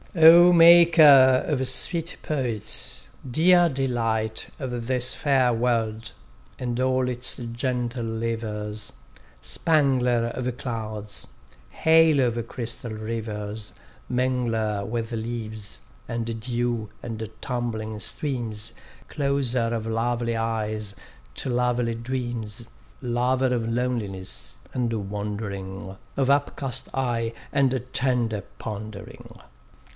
O Maker of sweet poets, dear delight Of this fair world, and all its gentle livers; Spangler of clouds, halo of crystal rivers, Mingler with leaves, and dew and tumbling streams, Closer of lovely eyes to lovely dreams, Lover of loneliness, and wandering, Of upcast eye, and tender pondering!